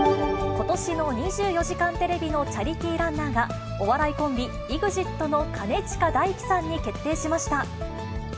ことしの２４時間テレビのチャリティーランナーが、お笑いコンビ、ＥＸＩＴの兼近大樹さんに決定しました。